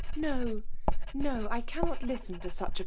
r f ^or' no— I cannot listen to > such a